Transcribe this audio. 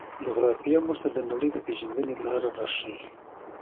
جغرافیه موږ ته د نړۍ د پېژندنې لاره راښيي.